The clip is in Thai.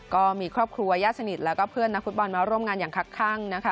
ก็มีครอบครัวญาติสนิทแล้วก็เพื่อนนักฟุตบอลมาร่วมงานอย่างคักข้างนะคะ